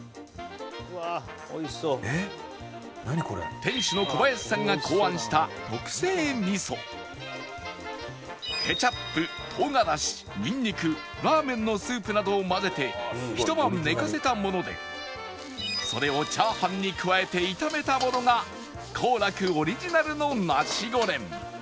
店主の小林さんが考案したケチャップ唐辛子ニンニクラーメンのスープなどを混ぜてひと晩寝かせたものでそれをチャーハンに加えて炒めたものが幸楽オリジナルのナシゴレン